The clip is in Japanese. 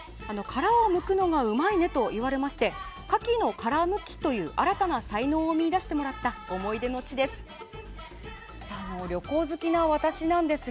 殻をむくのがうまいねと言われましてカキの殻むきという新たな才能を見出してもらった思い出の地です。